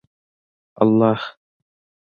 الله